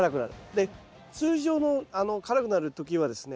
で通常の辛くなる時はですね